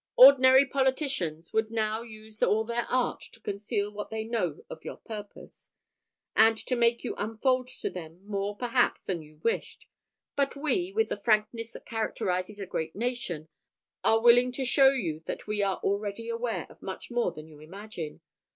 Ordinary politicians would now use all their art to conceal what they know of your purpose, and to make you unfold to them more perhaps than you wished; but we, with the frankness that characterises a great nation, are willing to show you that we are already aware of much more than you imagine.